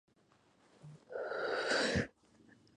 Muradov studied at the local Chinar high school.